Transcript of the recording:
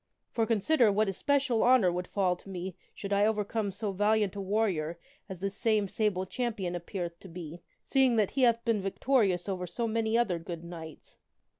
For, consider, what especial honor would fall to me should I overcome so valiant a warrior as this same Sable Champion appeareth to be, seeing that he hath been victorious over so many other good knights."